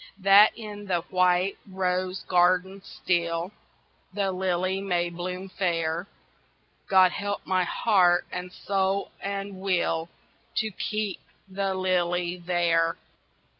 That in the white rose garden still The lily may bloom fair God help my heart and soul and will To keep the lily there.